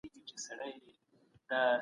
کلیوالو وویل چي دا د فیل پښې دي.